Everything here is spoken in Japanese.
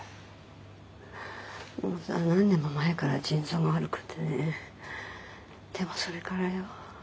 もうさ何年も前から腎臓が悪くてねでもそれからよ。